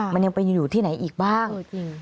มันยังไปอยู่ที่ไหนอีกบ้าง